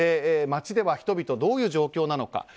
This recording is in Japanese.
街では人々、どういう状況なのか。